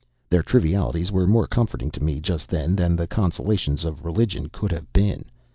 Their trivialities were more comforting to me just then than the consolations of religion could have been.